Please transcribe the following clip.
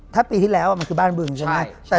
ถ้าปีที่แล้วมันคือบ้านบึงใช่ไหม